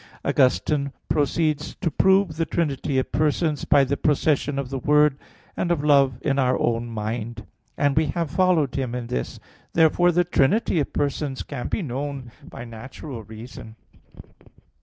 Augustine proceeds (De Trin. x, 4; x, 11, 12) to prove the trinity of persons by the procession of the word and of love in our own mind; and we have followed him in this (Q. 27, AA. 1, 3). Therefore the trinity of persons can be known by natural reason.